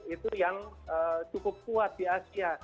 itu yang cukup kuat di asia